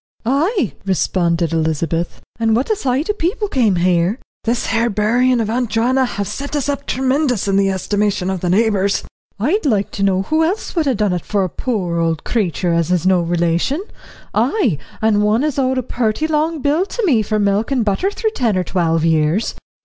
"Ay," responded Elizabeth, "and what a sight o' people came here." "This here buryin' of Aunt Joanna have set us up tremendous in the estimation of the neighbours." "I'd like to know who else would ha' done it for a poor old creetur as is no relation; ay and one as owed a purty long bill to me for milk and butter through ten or twelve years."